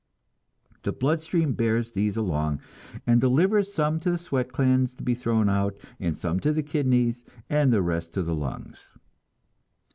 The blood stream bears these along, and delivers some to the sweat glands to be thrown out, and some to the kidneys, and the rest to the lungs.